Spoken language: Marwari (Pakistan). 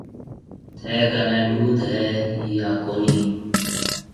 ٿَي ڪنَي ڏوڌ هيَ يان ڪونَي